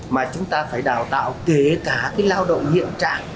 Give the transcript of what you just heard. mà chúng ta phải đào tạo kể cả lao động hiện trạng